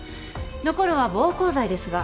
残るは暴行罪ですが。